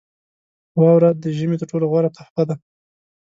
• واوره د ژمي تر ټولو غوره تحفه ده.